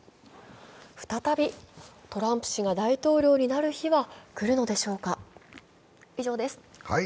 再びトランプ氏が大統領になる日は来るのでしょうか。